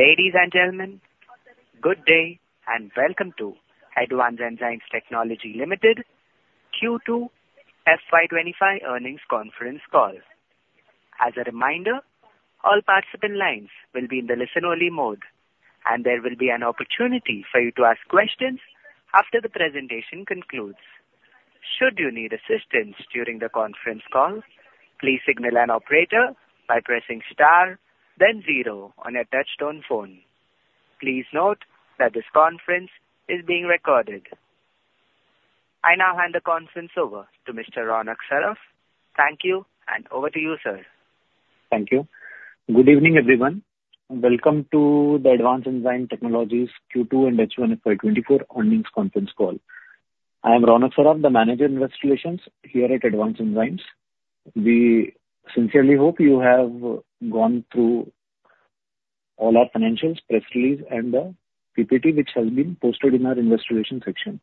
Ladies and gentlemen, good day and welcome to Advanced Enzyme Technologies Limited Q2 FY 2025 Earnings Conference Call. As a reminder, all participant lines will be in the listen-only mode, and there will be an opportunity for you to ask questions after the presentation concludes. Should you need assistance during the conference call, please signal an operator by pressing star, then zero on your touch-tone phone. Please note that this conference is being recorded. I now hand the conference over to Mr. Ronak Saraf. Thank you, and over to you, sir. Thank you. Good evening, everyone. Welcome to the Advanced Enzyme Technologies Q2 and H1 FY 2024 Earnings Conference Call. I am Ronak Saraf, the Manager of Investor Relations here at Advanced Enzymes. We sincerely hope you have gone through all our financials, press release, and the PPT, which has been posted in our Investor Relations section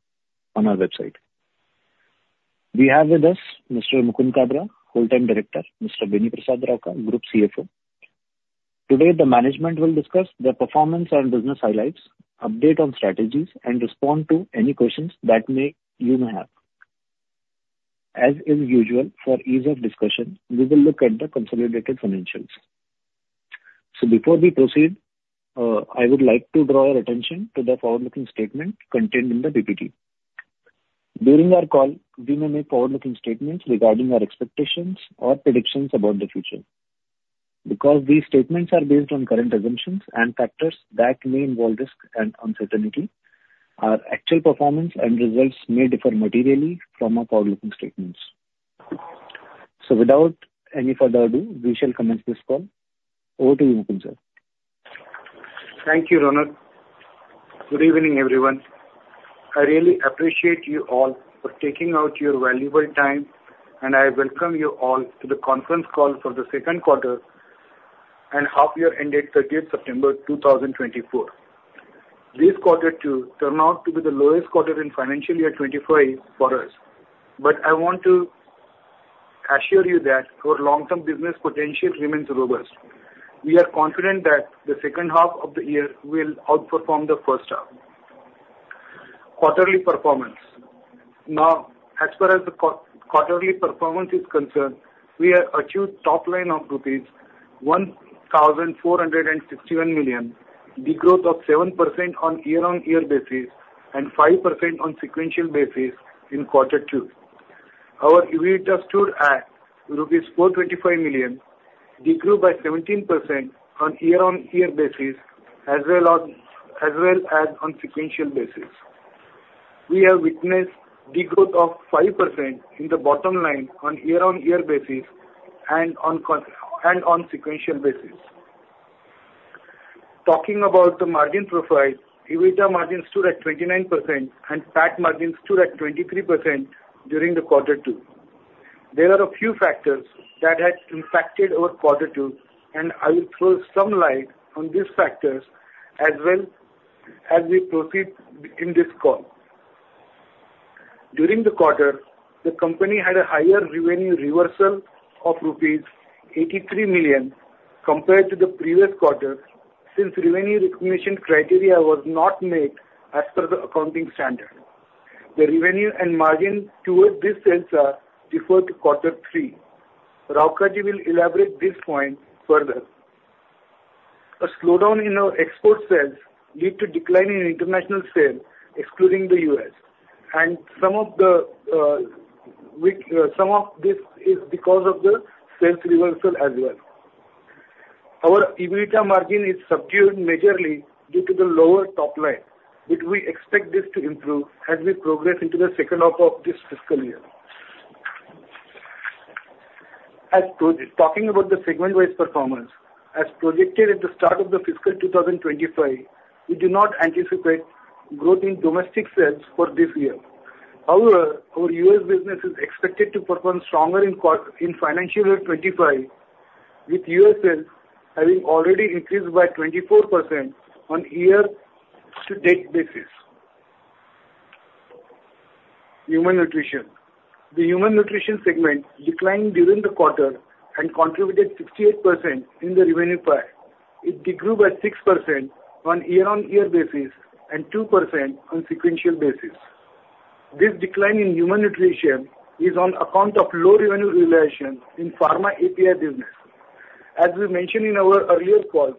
on our website. We have with us Mr. Mukund Kabra, Whole-Time Director, Mr. Beni Prasad Rauka, Group CFO. Today, the management will discuss the performance and business highlights, update on strategies, and respond to any questions that you may have. As is usual, for ease of discussion, we will look at the consolidated financials. So before we proceed, I would like to draw your attention to the forward-looking statement contained in the PPT. During our call, we may make forward-looking statements regarding our expectations or predictions about the future. Because these statements are based on current assumptions and factors that may involve risk and uncertainty, our actual performance and results may differ materially from our forward-looking statements. So without any further ado, we shall commence this call. Over to you, Mukund sir. Thank you, Ronak. Good evening, everyone. I really appreciate you all for taking out your valuable time, and I welcome you all to the conference call for the second quarter and half-year end date 30th September 2024. This quarter two turned out to be the lowest quarter in financial year 2025 for us, but I want to assure you that our long-term business potential remains robust. We are confident that the second half of the year will outperform the first half. Quarterly performance. Now, as far as the quarterly performance is concerned, we have achieved top line of rupees 1,461 million, a growth of 7% on year-on-year basis and 5% on sequential basis in quarter two. Our EBITDA stood at 425 million rupees, decreased by 17% on year-on-year basis as well as on sequential basis. We have witnessed a growth of 5% in the bottom line on year-on-year basis and on sequential basis. Talking about the margin profile, EBITDA margin stood at 29%, and PAT margin stood at 23% during the quarter two. There are a few factors that had impacted our quarter two, and I will throw some light on these factors as well as we proceed in this call. During the quarter, the company had a higher revenue reversal of rupees 83 million compared to the previous quarter since revenue recognition criteria was not met as per the accounting standard. The revenue and margin towards this sales deferred to quarter three. Rauka ji will elaborate this point further. A slowdown in our export sales led to a decline in international sales, excluding the U.S., and some of this is because of the sales reversal as well. Our EBITDA margin is subdued majorly due to the lower top line, but we expect this to improve as we progress into the second half of this fiscal year. Talking about the segment-wise performance, as projected at the start of the fiscal 2025, we do not anticipate growth in domestic sales for this year. However, our U.S. business is expected to perform stronger in financial year 2025, with U.S. sales having already increased by 24% on year-to-date basis. Human Nutrition. The Human Nutrition segment declined during the quarter and contributed 68% in the revenue pie. It decreased by 6% on year-on-year basis and 2% on sequential basis. This decline in Human Nutrition is on account of low revenue realization in the pharma API business. As we mentioned in our earlier calls,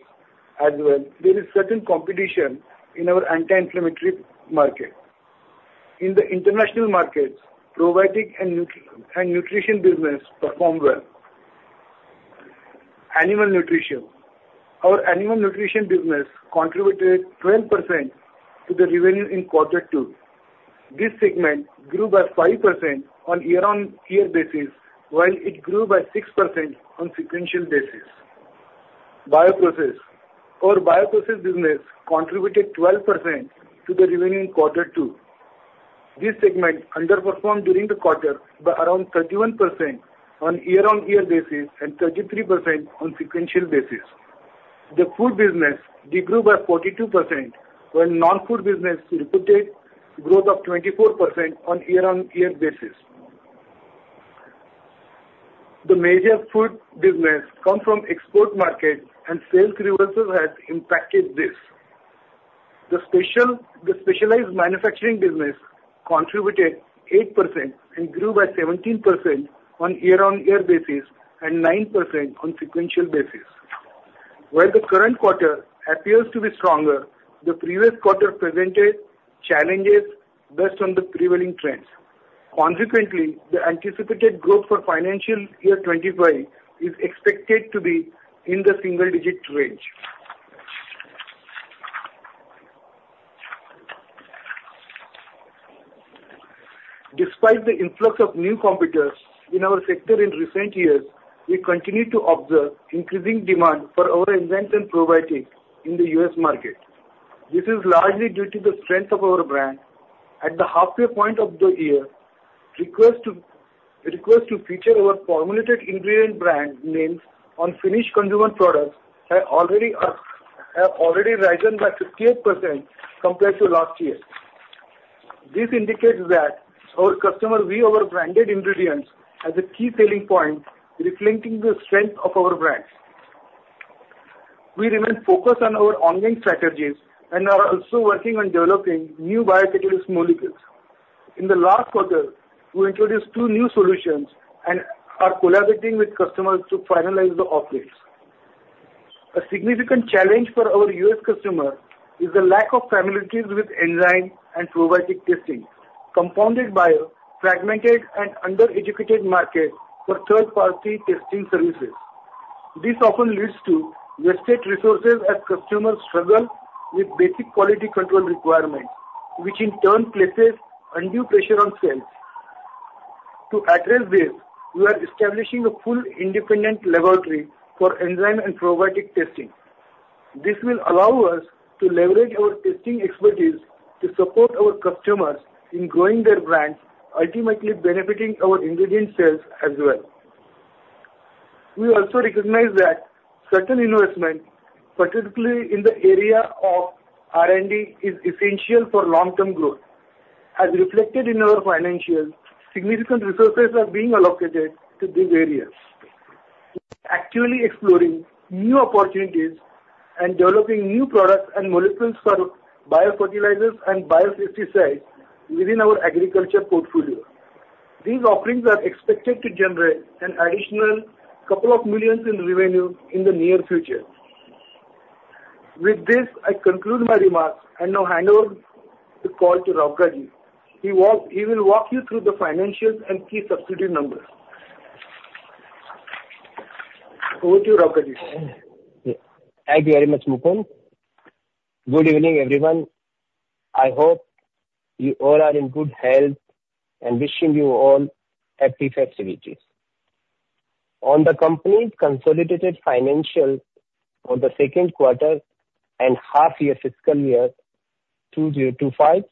as well, there is certain competition in our anti-inflammatory market. In the international markets, probiotic and nutrition business performed well. Animal Nutrition. Our Animal Nutrition business contributed 12% to the revenue in quarter two. This segment grew by 5% on year-on-year basis, while it grew by 6% on sequential basis. Bioprocess. Our Bioprocess business contributed 12% to the revenue in quarter two. This segment underperformed during the quarter by around 31% on year-on-year basis and 33% on sequential basis. The food business decreased by 42%, while non-food business reported growth of 24% on year-on-year basis. The major food business comes from the export market, and sales reversal has impacted this. The specialized manufacturing business contributed 8% and grew by 17% on year-on-year basis and 9% on sequential basis. While the current quarter appears to be stronger, the previous quarter presented challenges based on the prevailing trends. Consequently, the anticipated growth for financial year 2025 is expected to be in the single-digit range. Despite the influx of new competitors in our sector in recent years, we continue to observe increasing demand for our enzymes and probiotics in the U.S. market. This is largely due to the strength of our brand. At the halfway point of the year, requests to feature our formulated ingredient brand names on finished consumer products have already risen by 58% compared to last year. This indicates that our customer view of our branded ingredients as a key selling point reflecting the strength of our brand. We remain focused on our ongoing strategies and are also working on developing new biocatalyst molecules. In the last quarter, we introduced two new solutions and are collaborating with customers to finalize the offerings. A significant challenge for our U.S. customers is the lack of familiarity with enzyme and probiotic testing, compounded by a fragmented and under-educated market for third-party testing services. This often leads to wasted resources as customers struggle with basic quality control requirements, which in turn places undue pressure on sales. To address this, we are establishing a full independent laboratory for enzyme and probiotic testing. This will allow us to leverage our testing expertise to support our customers in growing their brands, ultimately benefiting our ingredient sales as well. We also recognize that certain investment, particularly in the area of R&D, is essential for long-term growth. As reflected in our financials, significant resources are being allocated to these areas, actively exploring new opportunities and developing new products and molecules for biofertilizers and biopesticides within our agriculture portfolio. These offerings are expected to generate an additional couple of millions in revenue in the near future. With this, I conclude my remarks and now hand over the call to Rauka ji. He will walk you through the financials and key subsidiary numbers. Over to Rauka ji. Thank you very much, Mukund. Good evening, everyone. I hope you all are in good health and wishing you all happy festivities. On the company's consolidated financials for the second quarter and half-year fiscal year 2025,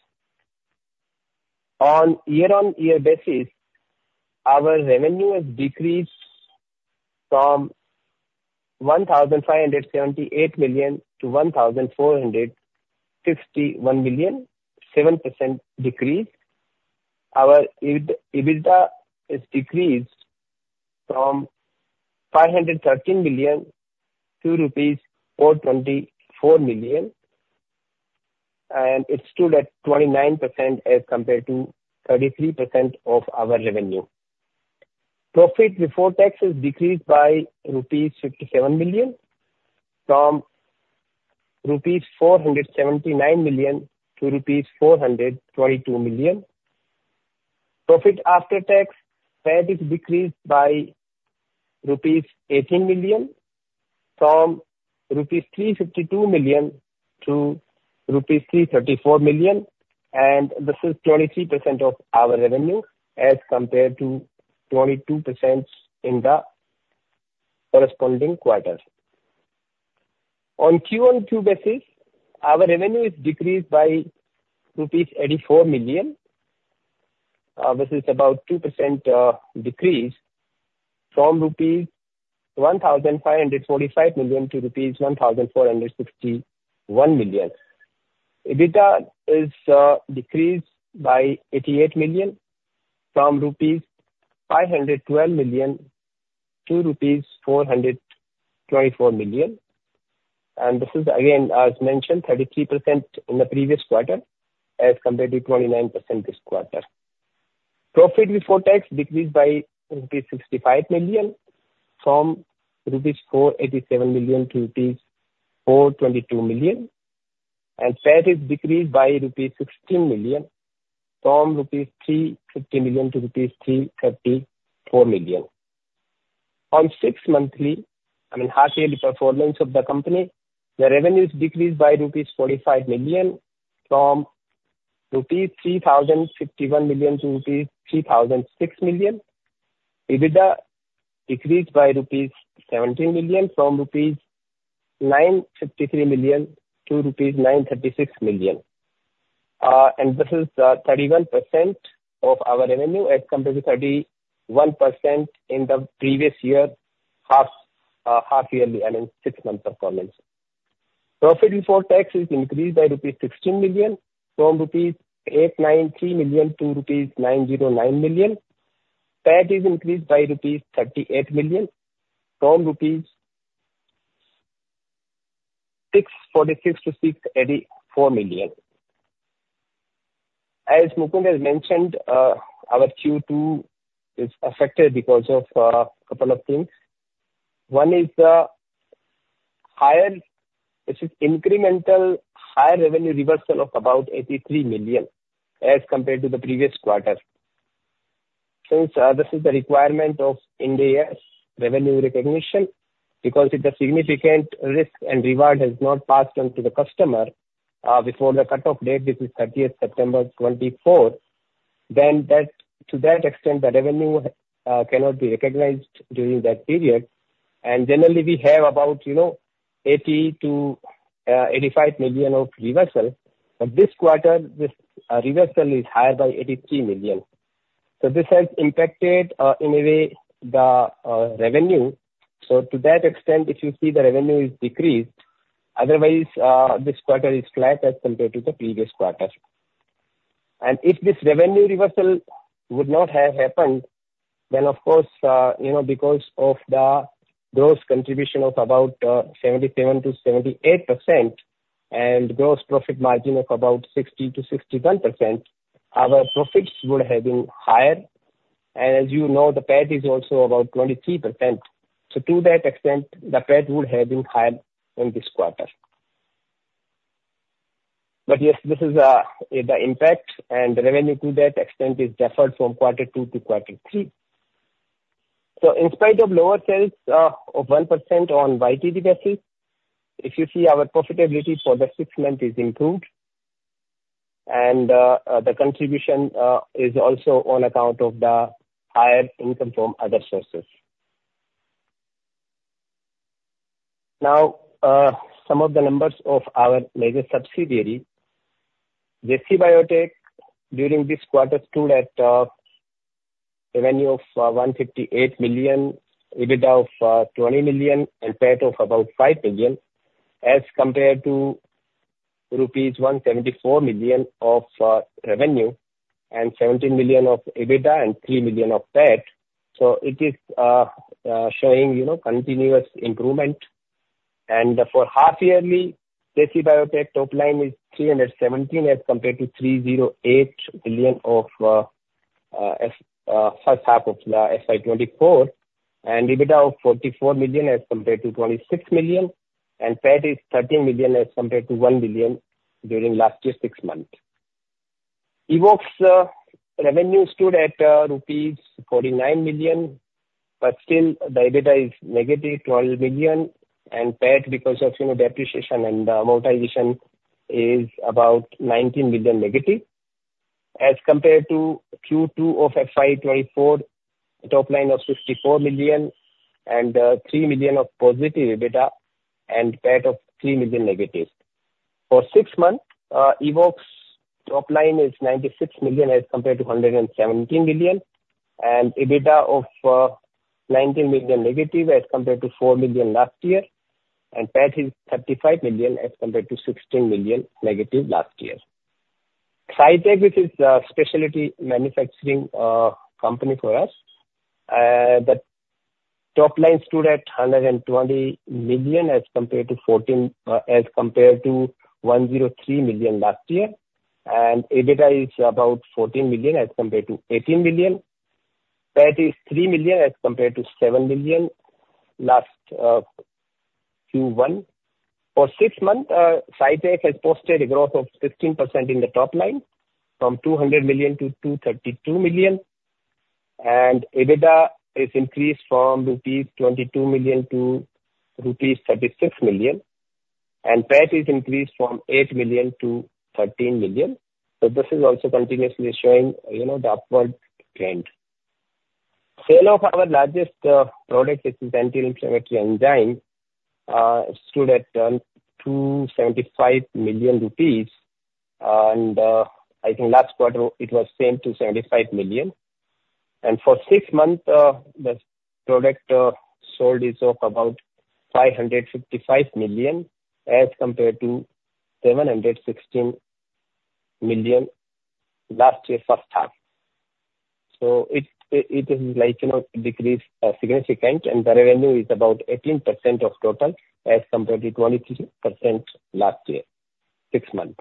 on year-on-year basis, our revenue has decreased from INR 1,578 million-INR 1,461 million, a 7% decrease. Our EBITDA has decreased from 513 million-424 million rupees, and it stood at 29% as compared to 33% of our revenue. Profit before tax has decreased by rupees 57 million, from rupees 479 millio-INR 422 million. Profit after tax PAT has decreased by rupees 18 million, from 352 million-334 million rupees, and this is 23% of our revenue as compared to 22% in the corresponding quarter. On Q-on-Q basis, our revenue has decreased by rupees 84 million. This is about a 2% decrease from rupees 1,545 million to INR. 1,461 million. EBITDA has decreased by 88 million from 512 million-424 million rupees. And this is, again, as mentioned, 33% in the previous quarter as compared to 29% this quarter. Profit before tax decreased by rupees 65 million from 487 million-422 million rupees, and PAT has decreased by rupees 16 million from 350 million-334 million rupees. On six-monthly, I mean, half-yearly performance of the company, the revenue has decreased by rupees 45 million from 3,051 million-3,006 million rupees. EBITDA decreased by rupees 17 million from 953 million-936 million rupees. And this is 31% of our revenue as compared to 31% in the previous year, half-yearly, I mean, six-month performance. Profit before tax has increased by rupees 16 million from 893 million-909 million rupees. PAT has increased by rupees 38 million from INR. 646 million-INR 684 million. As Mukund has mentioned, our Q2 is affected because of a couple of things. One is the incremental higher revenue reversal of about 83 million as compared to the previous quarter. Since this is the requirement of Ind AS revenue recognition, because if the significant risk and reward has not passed on to the customer before the cut-off date, which is 30th September 2024, then to that extent, the revenue cannot be recognized during that period. And generally, we have about 80 million-85 million of reversal, but this quarter, this reversal is higher by 83 million. So this has impacted, in a way, the revenue. So to that extent, if you see the revenue has decreased, otherwise, this quarter is flat as compared to the previous quarter. If this revenue reversal would not have happened, then, of course, because of the gross contribution of about 77%-78% and gross profit margin of about 60%-61%, our profits would have been higher. As you know, the PAT is also about 23%. To that extent, the PAT would have been higher in this quarter. Yes, this is the impact, and the revenue to that extent is deferred from quarter two to quarter three. In spite of lower sales of 1% on YTD basis, if you see our profitability for the sixth month has improved, and the contribution is also on account of the higher income from other sources. Now, some of the numbers of our major subsidiaries, JC Biotech, during this quarter stood at revenue of 158 million, EBITDA of 20 million, and PAT of about 5 million as compared to Rs. Rupees 174 million of revenue and 17 million of EBITDA and 3 million of PAT. So it is showing continuous improvement. And for half-yearly, JC Biotech top line is 317 million as compared to 308 million of the first half of the FY 2024, and EBITDA of 44 million as compared to 26 million, and PAT is 13 million as compared to 1 million during last year's six months. Evoxx revenue stood at rupees 49 million, but still, the EBITDA is negative 12 million, and PAT, because of depreciation and amortization, is about 19 million negative. As compared to Q2 of FY 2024, top line of 64 million and three million of positive EBITDA and PAT of 3 million negative. For six months, Evoxx top line is 96 million as compared to 117 million, and EBITDA of -19 million as compared to 4 million last year, and PAT is 35 million as compared to -16 million last year. SciTech, which is a specialty manufacturing company for us, the top line stood at 120 million as compared to 103 million last year, and EBITDA is about 14 million as compared to 18 million. PAT is 3 million as compared to 7 million last Q1. For six months, SciTech has posted a growth of 16% in the top line from 200 million to 232 million, and EBITDA has increased from 22 million-36 million rupees, and PAT has increased from 8 million-13 million. So this is also continuously showing the upward trend. Sale of our largest product, which is anti-inflammatory enzyme, stood at INR. 275 million, and I think last quarter it was same to 75 million. And for six months, the product sold is of about 555 million as compared to 716 million last year's first half. So it is a decrease significant, and the revenue is about 18% of total as compared to 23% last year, six months.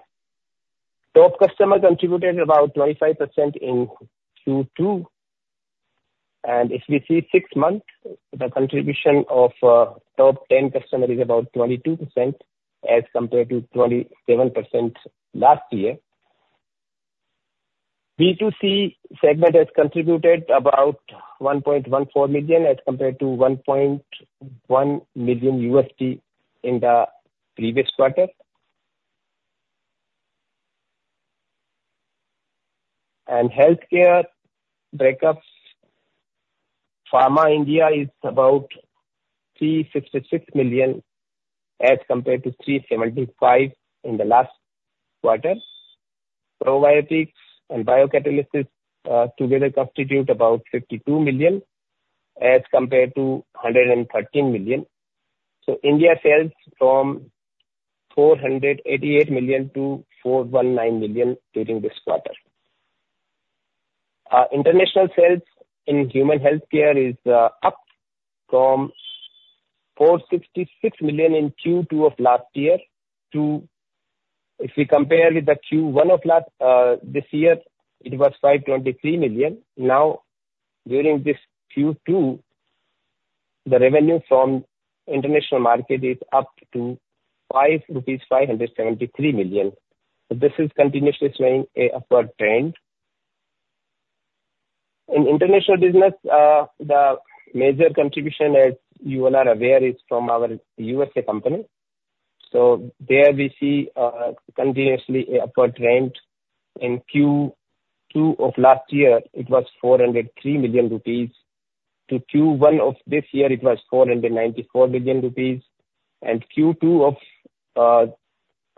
Top customer contributed about 25% in Q2, and if we see six months, the contribution of top 10 customers is about 22% as compared to 27% last year. B2C segment has contributed about $1.14 million as compared to $1.1 million in the previous quarter. And healthcare breakups, Pharma India is about 366 million as compared to 375 million in the last quarter. Probiotics and biocatalysts together constitute about 52 million as compared to 113 million. So India sales from 488 million-419 million during this quarter. International sales in human healthcare is up from 466 million in Q2 of last year to, if we compare with the Q1 of this year, it was 523 million. Now, during this Q2, the revenue from the international market is up to 573 million. So this is continuously showing an upward trend. In international business, the major contribution, as you all are aware, is from our U.SA company. So there we see continuously an upward trend. In Q2 of last year, it was 403 million rupees. In Q1 of this year, it was 494 million rupees. Q2 of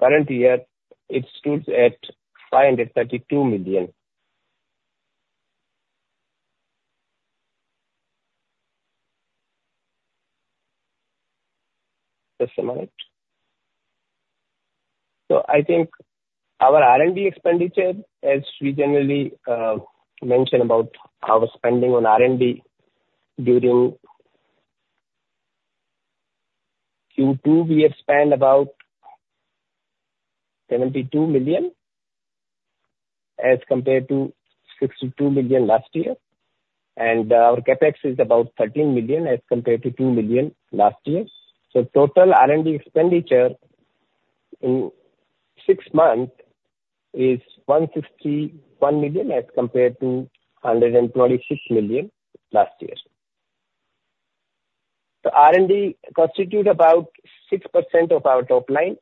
current year, it stood at 532 million. Just a moment. So I think our R&D expenditure, as we generally mention about our spending on R&D during Q2, we have spent about 72 million as compared to 62 million last year. Our CapEx is about 13 million as compared to 2 million last year. So total R&D expenditure in six months is 161 million as compared to 126 million last year. The R&D constitutes about 6% of our top line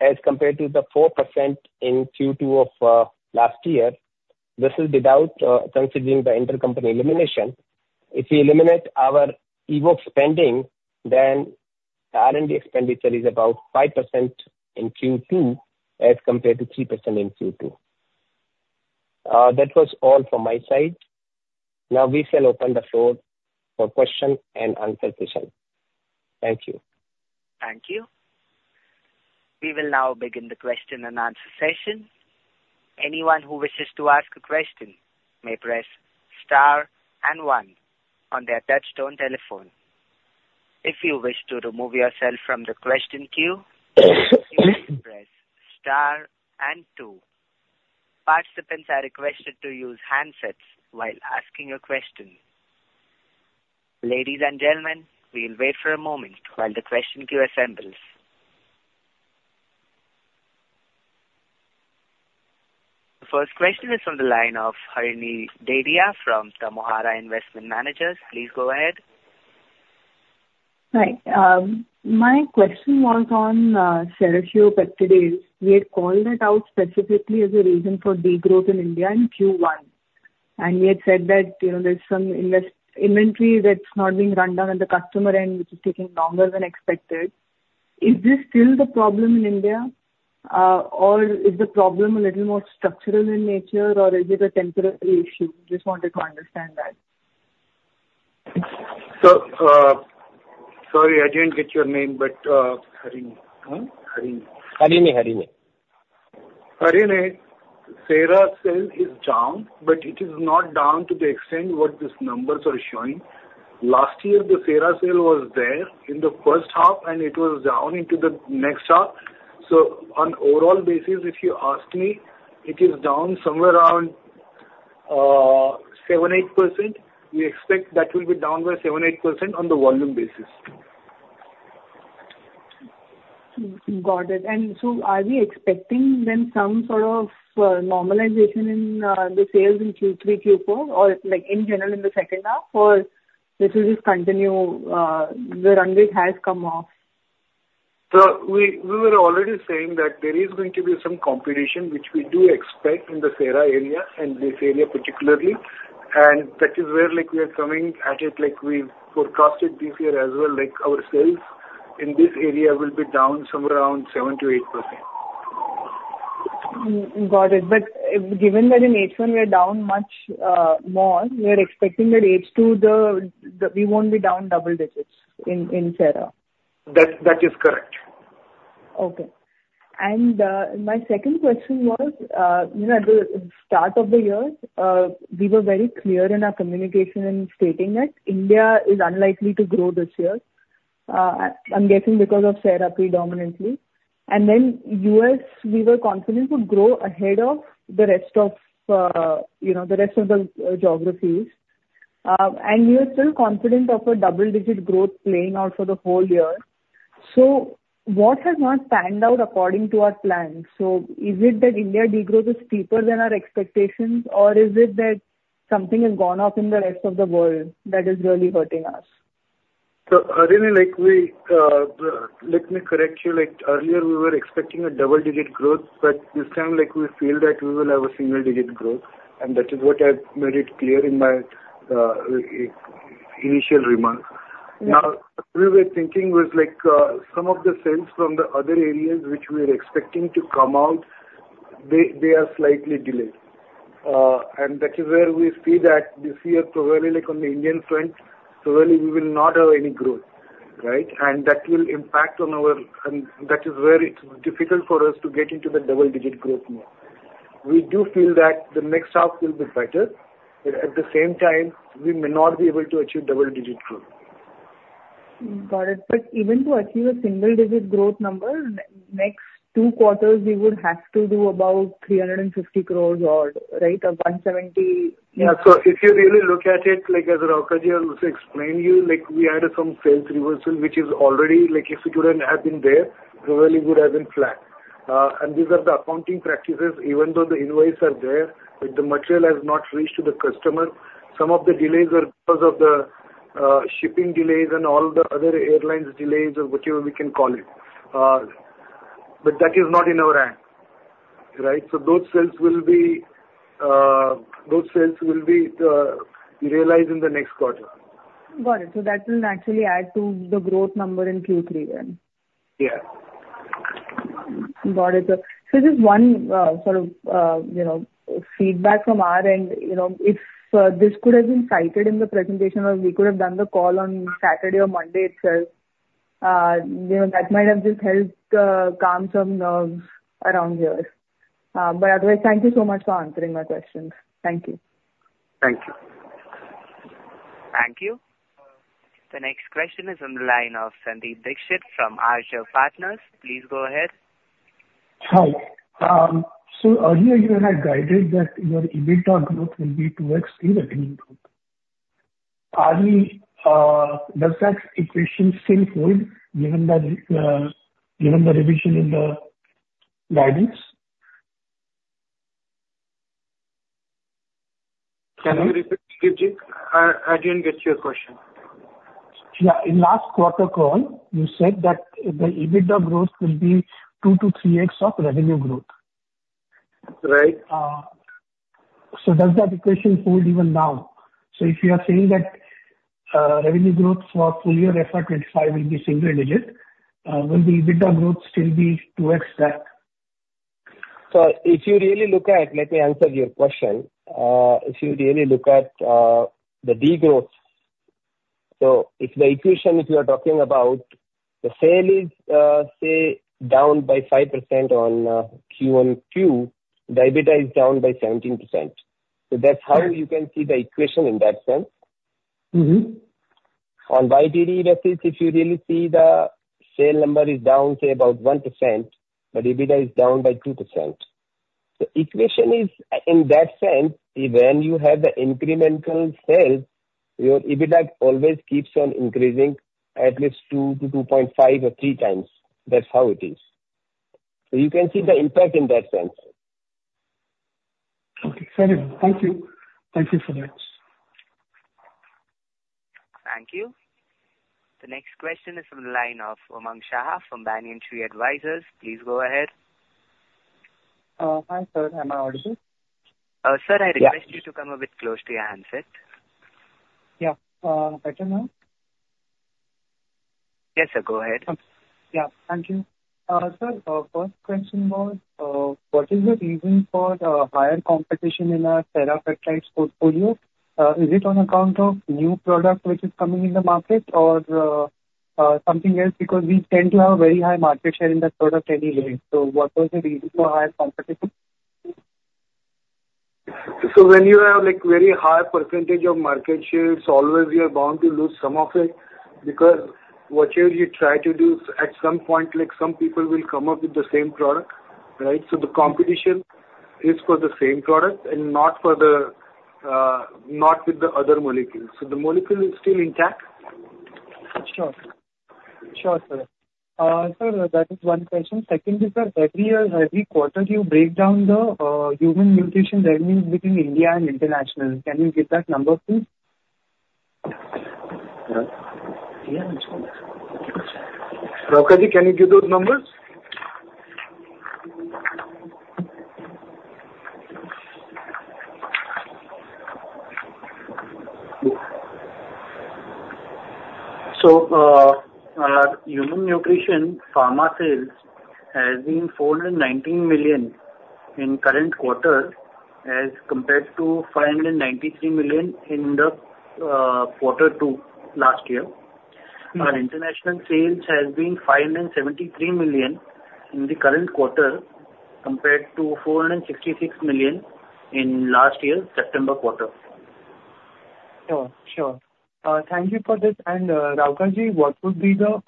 as compared to the 4% in Q2 of last year. This is without considering the intercompany elimination. If we eliminate our Evoxx spending, then the R&D expenditure is about 5% in Q2 as compared to 3% in Q2. That was all from my side. Now, we shall open the floor for question and answer session. Thank you. Thank you. We will now begin the question and answer session. Anyone who wishes to ask a question may press star and one on their touch-tone telephone. If you wish to remove yourself from the question queue, you may press star and two. Participants are requested to use handsets while asking your question. Ladies and gentlemen, we'll wait for a moment while the question queue assembles. The first question is from the line of Harini Dedhia from Tamohara Investment Managers. Please go ahead. Hi. My question was on Serra, but today we had called that out specifically as a reason for degrowth in India in Q1, and we had said that there's some inventory that's not being run down at the customer end, which is taking longer than expected. Is this still the problem in India, or is the problem a little more structural in nature, or is it a temporary issue? Just wanted to understand that. So sorry, I didn't get your name, but Harini. Harini. Harini. Harini. Harini, Serra sales is down, but it is not down to the extent what these numbers are showing. Last year, the Serra sales was there in the first half, and it was down into the next half. So on overall basis, if you ask me, it is down somewhere around 7%-8%. We expect that will be down by 7%-8% on the volume basis. Got it. And so are we expecting then some sort of normalization in the sales in Q3, Q4, or in general in the second half, or this will just continue? The runway has come off. So we were already saying that there is going to be some competition, which we do expect in the Serra area and this area particularly. And that is where we are coming at it. We forecasted this year as well. Our sales in this area will be down somewhere around 7%-8%. Got it. But given that in H1, we're down much more, we are expecting that H2, we won't be down double digits in Serra. That is correct. Okay. And my second question was, at the start of the year, we were very clear in our communication in stating that India is unlikely to grow this year. I'm guessing because of Serra predominantly. And then U.S., we were confident would grow ahead of the rest of the geographies. And we are still confident of a double-digit growth playing out for the whole year. So what has not panned out according to our plan? So is it that India degrowth is steeper than our expectations, or is it that something has gone off in the rest of the world that is really hurting us? Harini, let me correct you. Earlier, we were expecting a double-digit growth, but this time, we feel that we will have a single-digit growth. And that is what I made it clear in my initial remark. Now, what we were thinking was some of the sales from the other areas which we were expecting to come out, they are slightly delayed. And that is where we see that this year, probably on the Indian front, probably we will not have any growth, right? And that will impact on our, and that is where it's difficult for us to get into the double-digit growth now. We do feel that the next half will be better, but at the same time, we may not be able to achieve double-digit growth. Got it. But even to achieve a single-digit growth number, next two quarters, we would have to do about 350 crores or, right, 170? Yeah. So if you really look at it, as Rauka ji also explained to you, we had some sales reversal, which is already. If it wouldn't have been there, probably would have been flat. And these are the accounting practices. Even though the invoices are there, the material has not reached the customer. Some of the delays are because of the shipping delays and all the other airlines' delays or whatever we can call it. But that is not in our hands, right? So those sales will be. Those sales will be realized in the next quarter. Got it. So that will naturally add to the growth number in Q3 then. Yeah. Got it. So this is one sort of feedback from our end. If this could have been cited in the presentation or we could have done the call on Saturday or Monday itself, that might have just helped calm some nerves around here. But otherwise, thank you so much for answering my questions. Thank you. Thank you. Thank you. The next question is from the line of Sandeep Dixit from Arjav Partners. Please go ahead. Hi. So earlier, you had guided that your EBITDA growth will be 2x in revenue growth. Does that equation still hold given the revision in the guidance? Can you repeat, Dixit? I didn't get your question. Yeah. In last quarter call, you said that the EBITDA growth will be 2x-3x of revenue growth. Right. So does that equation hold even now? So if you are saying that revenue growth for full year FY 2025 will be single digit, will the EBITDA growth still be 2x that? So if you really look at, let me answer your question. If you really look at the degrowth, so if the equation, if you are talking about the sale is, say, down by 5% on Q1Q, the EBITDA is down by 17%. So that's how you can see the equation in that sense. On YTD basis, if you really see the sale number is down, say, about 1%, but EBITDA is down by 2%. The equation is, in that sense, when you have the incremental sales, your EBITDA always keeps on increasing at least two to 2.5 or 3 times. That's how it is. So you can see the impact in that sense. Okay. Thank you. Thank you for that. Thank you. The next question is from the line of Umang Shah from Banyan Tree Advisors. Please go ahead. Hi, sir. Am I audible? Sir, I request you to come a bit close to your handset. Yeah. Better now? Yes, sir. Go ahead. Yeah. Thank you. Sir, first question was, what is the reason for the higher competition in our Serrapeptase portfolio? Is it on account of new product which is coming in the market or something else? Because we tend to have a very high market share in that product anyway. So what was the reason for higher competition? So when you have a very high percentage of market shares, always you are bound to lose some of it because whatever you try to do, at some point, some people will come up with the same product, right? So the competition is for the same product and not with the other molecules. So the molecule is still intact. Sure. Sure, sir. Sir, that is one question. Second is, sir, every quarter, you break down the human nutrition revenues between India and international. Can you give that number, please? ji, can you give those numbers? So human nutrition pharma sales has been 419 million in current quarter as compared to 593 million in the quarter two last year. Our international sales has been 573 million in the current quarter compared to 466 million in last year, September quarter. Sure. Sure. Thank you for this. And Rauka ji, what would be the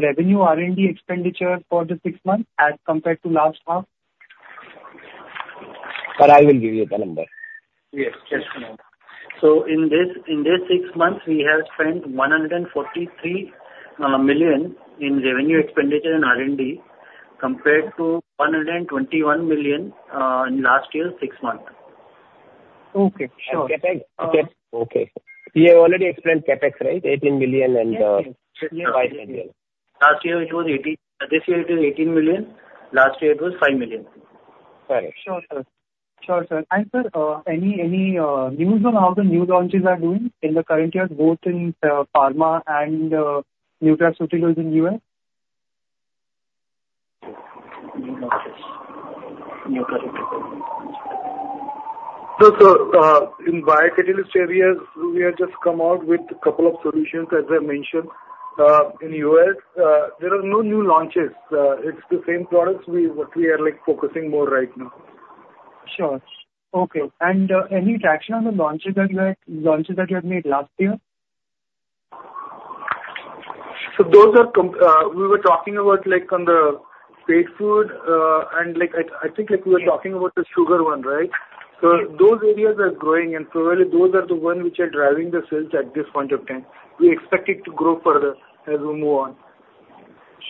revenue R&D expenditure for the six months as compared to last half? But I will give you the number. Yes. Yes, sir. So in these six months, we have spent 143 million in revenue expenditure in R&D compared to 121 million in last year's six months. Okay. Sure. Okay. We have already explained CapEx, right? 18 million and 5 million. Last year, it was 18. This year, it is 18 million. Last year, it was 5 million. Got it. Sure, sir. And sir, any news on how the new launches are doing in the current year, both in pharma and nutraceuticals in the U.S.? New launches nutraceuticals. So in biocatalyst areas, we have just come out with a couple of solutions, as I mentioned. In U.S., there are no new launches. It's the same products what we are focusing on right now. Sure. Okay. And any traction on the launches that you had made last year? So those areas we were talking about on the pet food, and I think we were talking about the sugar one, right? So those areas are growing, and probably those are the ones which are driving the sales at this point of time. We expect it to grow further as we move on.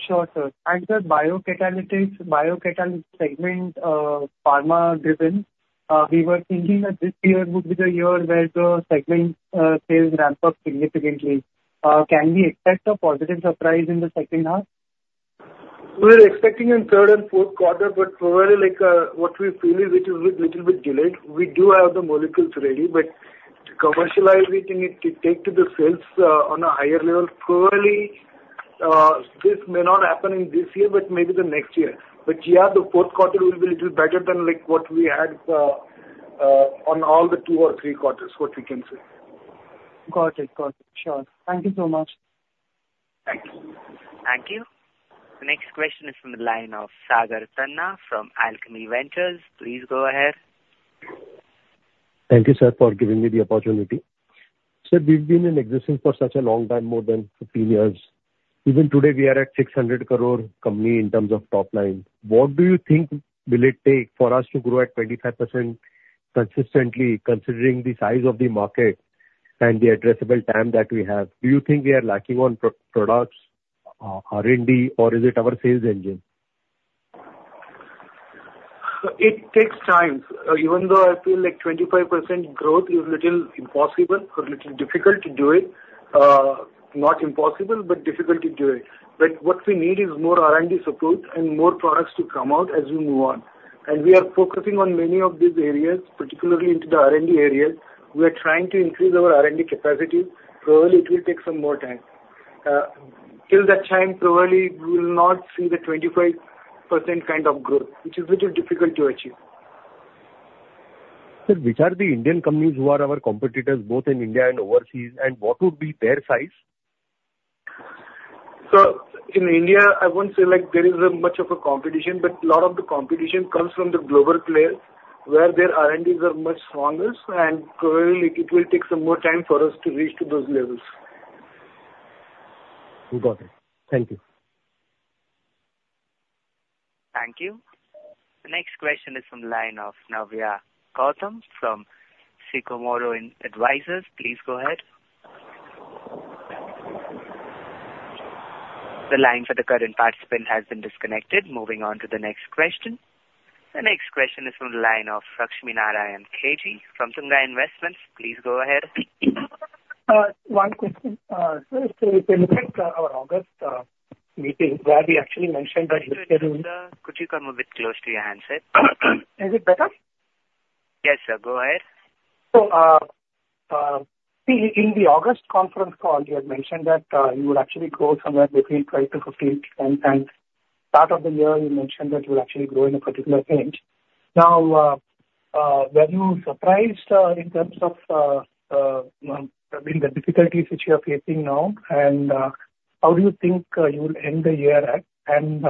Sure, sir, and the biocatalyst segment, pharma-driven, we were thinking that this year would be the year where the segment sales ramp up significantly. Can we expect a positive surprise in the second half? We're expecting in third and fourth quarter, but probably what we feel is it is a little bit delayed. We do have the molecules ready, but commercializing it to take to the sales on a higher level, probably this may not happen in this year, but maybe the next year. But yeah, the fourth quarter will be a little better than what we had on all the two or three quarters, what we can say. Got it. Got it. Sure. Thank you so much. Thank you. Thank you. The next question is from the line of Sagar Tanna from Alchemy Ventures. Please go ahead. Thank you, sir, for giving me the opportunity. Sir, we've been in existence for such a long time, more than 15 years. Even today, we are at 600 crore company in terms of top line. What do you think will it take for us to grow at 25% consistently, considering the size of the market and the addressable time that we have? Do you think we are lacking on products, R&D, or is it our sales engine? It takes time. Even though I feel like 25% growth is a little impossible or a little difficult to do it. Not impossible, but difficult to do it. But what we need is more R&D support and more products to come out as we move on, and we are focusing on many of these areas, particularly into the R&D areas. We are trying to increase our R&D capacity. Probably it will take some more time. Till that time, probably we will not see the 25% kind of growth, which is a little difficult to achieve. Sir, which are the Indian companies who are our competitors, both in India and overseas, and what would be their size? In India, I won't say there is much of a competition, but a lot of the competition comes from the global players where their R&Ds are much stronger, and probably it will take some more time for us to reach to those levels. Got it. Thank you. Thank you. The next question is from the line of Navya Gautam from Sipto Advisors. Please go ahead. The line for the current participant has been disconnected. Moving on to the next question. The next question is from the line of Lakshmi Narayan KG from Tunga Investments. Please go ahead. One question. Sir, if you look at our August meeting, where we actually mentioned that we scheduled. Sir, could you come a bit closer to your handset? Is it better? Yes, sir. Go ahead. So in the August conference call, you had mentioned that you would actually grow somewhere between 12% to 15%, and start of the year, you mentioned that you would actually grow in a particular range. Now, were you surprised in terms of the difficulties which you are facing now, and how do you think you will end the year at, and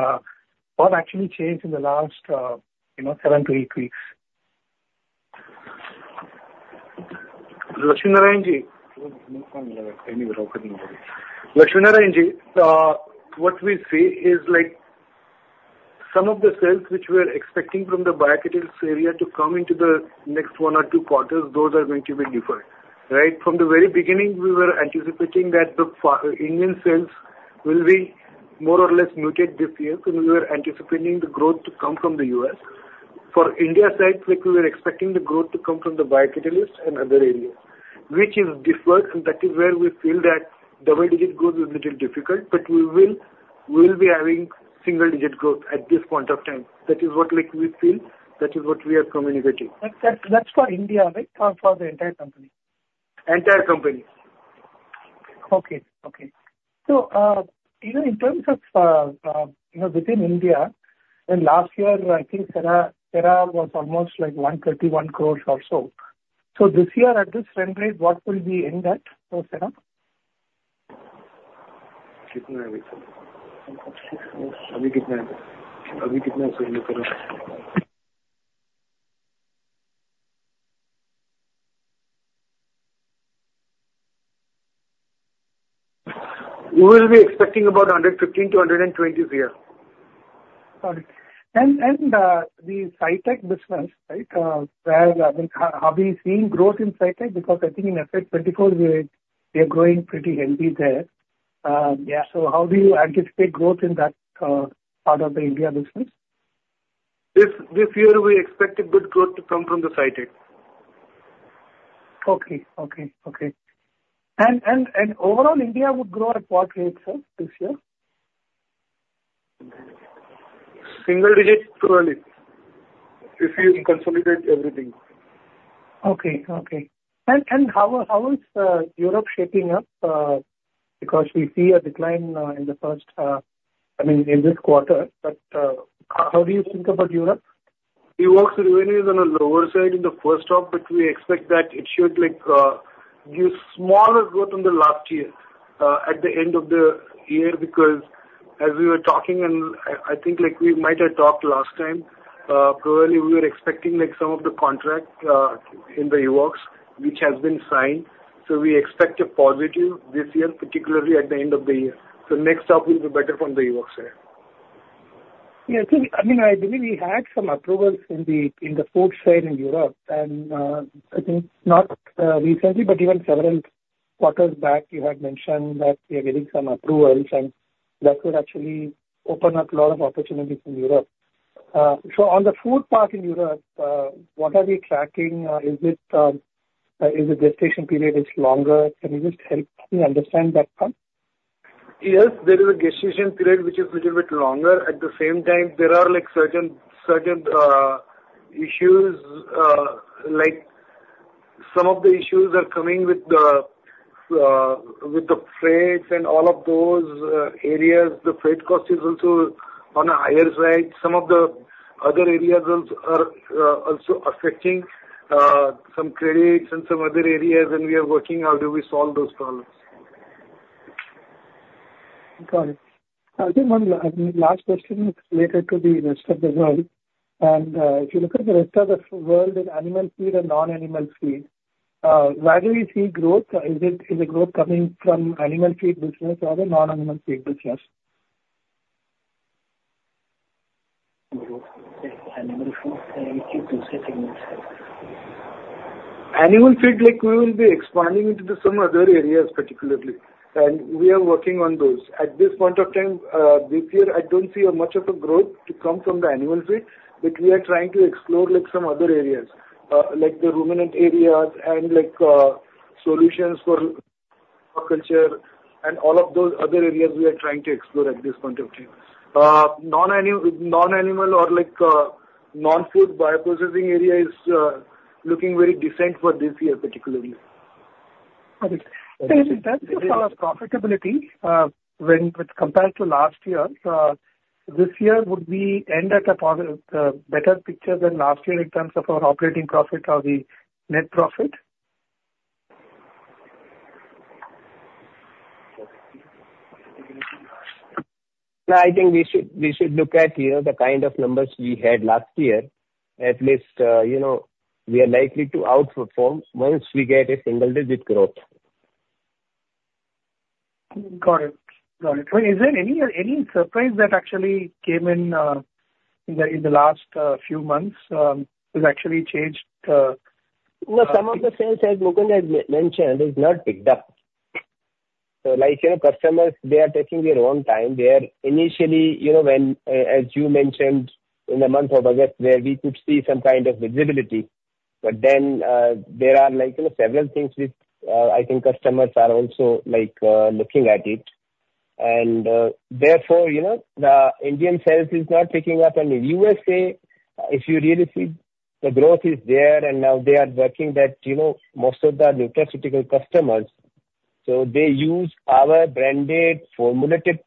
what actually changed in the last seven to eight weeks? Lakshmi Narayan ji? Lakshmi Narayan ji, what we see is some of the sales which we are expecting from the biocatalyst area to come into the next one or two quarters, those are going to be different, right? From the very beginning, we were anticipating that the Indian sales will be more or less muted this year, and we were anticipating the growth to come from the U.S. For India side, we were expecting the growth to come from the biocatalyst and other areas, which is deferred, and that is where we feel that double-digit growth is a little difficult, but we will be having single-digit growth at this point of time. That is what we feel. That is what we are communicating. That's for India, right, or for the entire company? Entire company. Okay. Okay. So in terms of within India, last year, I think Serra was almost like 131 crores or so. So this year, at this rate, what will we end at for Serra? Abhijit, may I ask? Abhijit, may I ask? We will be expecting about 115-120s here. Got it. And the SciTech business, right, where I mean, have we seen growth in SciTech? Because I think in FY24, we are growing pretty heavily there. So how do you anticipate growth in that part of the India business? This year, we expect a good growth to come from the SciTech. Okay. And overall, India would grow at what rate, sir, this year? Single digit, probably, if you consolidate everything. Okay. Okay. And how is Europe shaping up? Because we see a decline in the first, I mean, in this quarter, but how do you think about Europe? Europe's revenue is on the lower side in the first half, but we expect that it should give some growth in the latter half at the end of the year because, as we were talking, and I think we might have talked last time, probably we were expecting some of the contracts in the Evoxx, which has been signed. So we expect a positive this year, particularly at the end of the year. So next year will be better from the Evoxx side. Yeah. I mean, I believe we had some approvals in the food side in Europe, and I think not recently, but even several quarters back, you had mentioned that we are getting some approvals, and that would actually open up a lot of opportunities in Europe. So on the food part in Europe, what are we tracking? Is the gestation period longer? Can you just help me understand that part? Yes. There is a gestation period which is a little bit longer. At the same time, there are certain issues, like some of the issues are coming with the freight and all of those areas. The freight cost is also on the higher side. Some of the other areas are also affecting some credits and some other areas, and we are working on how do we solve those problems. Got it. I think one last question is related to the rest of the world. If you look at the rest of the world in animal feed and non-animal feed, where do you see growth? Is the growth coming from animal feed business or the non-animal feed business? Animal food. Animal feed, we will be expanding into some other areas particularly, and we are working on those. At this point of time, this year, I don't see much of a growth to come from the animal feed, but we are trying to explore some other areas, like the ruminant areas and solutions for culture and all of those other areas we are trying to explore at this point of time. Non-animal or non-food bioprocessing area is looking very decent for this year particularly. Got it. And in terms of our profitability, when compared to last year, this year, would we end at a better picture than last year in terms of our operating profit or the net profit? I think we should look at the kind of numbers we had last year. At least we are likely to outperform once we get a single-digit growth. Got it. Got it. Is there any surprise that actually came in the last few months? It actually changed? Some of the sales as Mukund had mentioned is not picked up. So customers, they are taking their own time. They are initially, as you mentioned, in the month of August, where we could see some kind of visibility, but then there are several things which I think customers are also looking at it. And therefore, the Indian sales is not picking up. And in U.SA, if you really see, the growth is there, and now they are working that most of the nutraceutical customers. So they use our branded formulated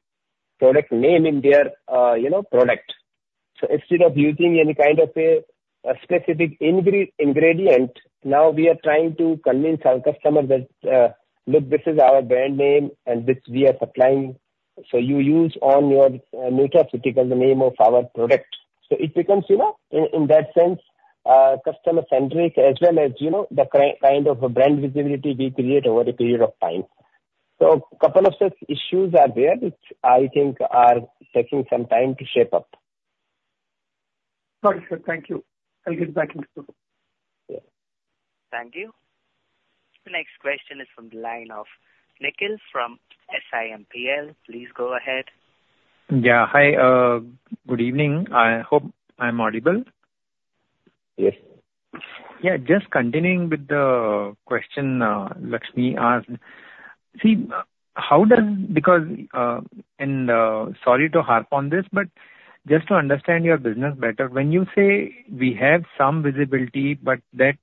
product name in their product. So instead of using any kind of a specific ingredient, now we are trying to convince our customers that, "Look, this is our brand name, and this we are supplying. So you use on your nutraceutical the name of our product." So it becomes, in that sense, customer-centric as well as the kind of brand visibility we create over a period of time. So a couple of such issues are there which I think are taking some time to shape up. Got it. Thank you. I'll get back to you. Yeah. Thank you. The next question is from the line of Nikhil from SIMPL. Please go ahead. Yeah. Hi. Good evening. I hope I'm audible. Yes. Yeah. Just continuing with the question Lakshmi asked, see, how does because and sorry to harp on this, but just to understand your business better, when you say we have some visibility, but that